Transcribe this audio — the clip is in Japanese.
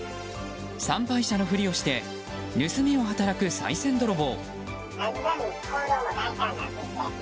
参拝者のふりをして盗みを働くさい銭泥棒。